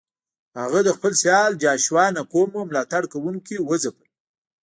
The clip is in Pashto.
هغه د خپل سیال جاشوا نکومو ملاتړ کوونکي وځپل.